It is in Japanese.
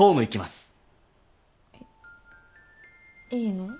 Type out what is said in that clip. えっいいの？